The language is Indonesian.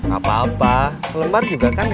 gak apa apa selembar juga kan lima puluh